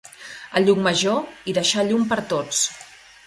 A Llucmajor, hi deixà llum per tots.